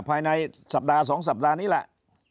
ภายในสัปดาห์๒สัปดาห์นี้แหละ